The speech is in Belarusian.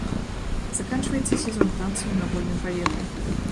Заканчваецца сезон танцаў на вольным паветры.